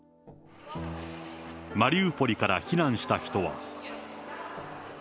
マリウポリから避難した人は。